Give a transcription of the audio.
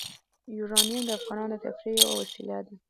یورانیم د افغانانو د تفریح یوه وسیله ده.